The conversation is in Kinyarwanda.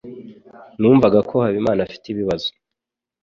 Numvaga ko Habimana afite ibibazo.